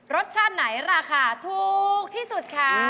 รสชาติไหนราคาถูกที่สุดคะ